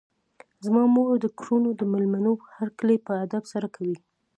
زما مور د کورونو د مېلمنو هرکلی په ادب سره کوي.